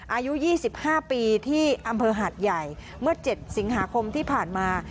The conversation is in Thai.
อายุ๒๕ปีที่อำเภอหาดใหญ่เมื่อ๗สิงหาคมที่ผ่านมา